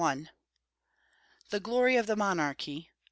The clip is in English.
THE GLORY OF THE MONARCHY.